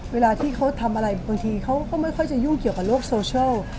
เวลาที่เขาทำอะไรบางทีเขาก็ไม่ค่อยจะยุ่งเกี่ยวกับโลกโซเชียล